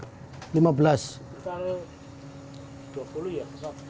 sekitar dua puluh ya